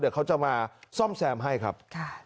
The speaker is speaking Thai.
เดี๋ยวเขาจะมาซ่อมแซมให้ครับ